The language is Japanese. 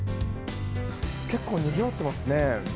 結構にぎわってますね。